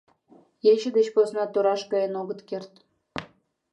— Ече деч посна тораш каен огыт керт.